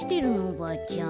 おばあちゃん。